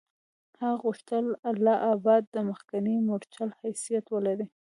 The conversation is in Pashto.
هغه غوښتل اله آباد د مخکني مورچل حیثیت ولري.